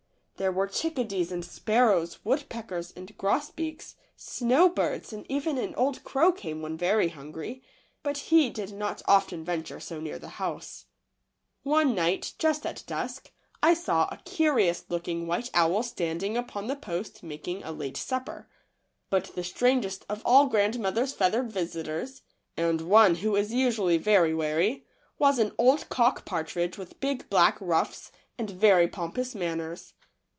There were chickadees and sparrows, wood peckers and grosbeaks, snowbirds, and even an old crow came when very hungry, but he did not often venture so near the house. One AN OLD COCK PARTRIDGE WITH BIG BLACK RUFFS AND VERY POMPOUS MANNERS. GRANDMA'S WINTER VISITORS. 5 night, just at dusk, I saw a curious looking white owl standing upon the post, making a late supper. But the strangest of all grandmother's feathered visitors, and one who is usually very wary, w r as an old cock partridge with big black ruffs and very pompous manners.